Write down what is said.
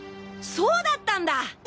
そうだったんだ！